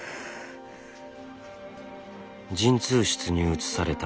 陣痛室に移された